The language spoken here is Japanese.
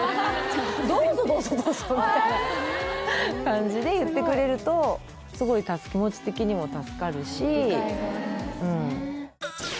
「どうぞどうぞどうぞ」みたいな感じで言ってくれるとすごい・理解があるんですね